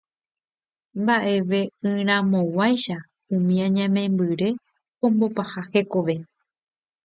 mba'eve'ỹramoguáicha umi añamembyre ombopaha hekove